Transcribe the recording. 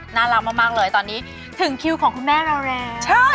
น่ารักมากเลยตอนนี้ถึงคิวของคุณแม่เราแล้ว